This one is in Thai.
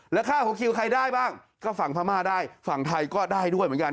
แล้วค่าหัวคิวใครได้บ้างก็ฝั่งพม่าได้ฝั่งไทยก็ได้ด้วยเหมือนกัน